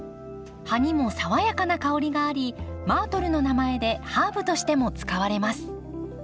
葉にも爽やかな香りがありマートルの名前でハーブとしても使われます。